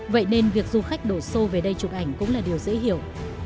vậy nên việc du khách đổ xô về đây chụp ảnh cũng là điều dễ hiểu